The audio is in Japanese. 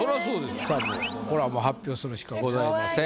さあこれはもう発表するしかございません。